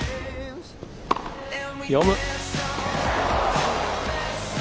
読む。